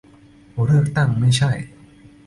เลือกตั้งไม่ใช่